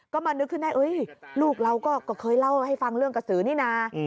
ก็มานึกขึ้นได้ลูกเราก็เคยเล่าให้ฟังเรื่องกระสือนี่นะ